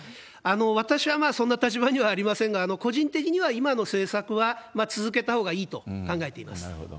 私はそんな立場にはありませんが、個人的には今の政策は続けたほうがいいと考えています。